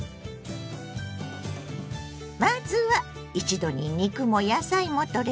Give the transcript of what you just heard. まずは一度に肉も野菜もとれる！